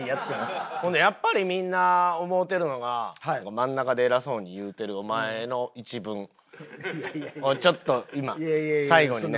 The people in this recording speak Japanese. やっぱりみんな思うてるのが真ん中で偉そうに言うてるちょっと今最後にね。